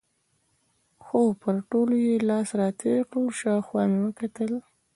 خو پر ټولو یې لاس را تېر کړی و، شاوخوا مې وکتل.